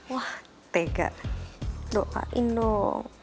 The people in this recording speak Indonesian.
wah tega doain dong